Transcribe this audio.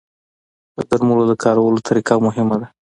د درملو د کارولو طریقه مهمه ده.